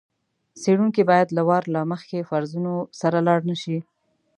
څېړونکی باید له وار له مخکې فرضونو سره لاړ نه شي.